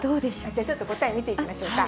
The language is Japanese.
じゃあちょっと、答え見ていきましょうか。